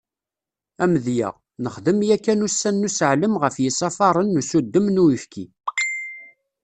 Amedya, nexdem yakan ussan n useɛlem ɣef yisafaren n usuddem n uyefki.